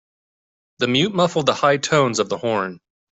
The mute muffled the high tones of the horn.